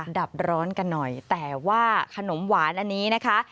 ดับร้อนกันหน่อยแต่ว่าขนมหวานอันนี้นะคะ